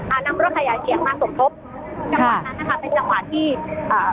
อ่านำรถไข่อาเตียงมาส่งทบค่ะจังหวานนั้นค่ะเป็นจังหวานที่อ่า